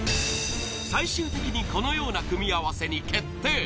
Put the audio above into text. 最終的にこのような組み合わせに決定。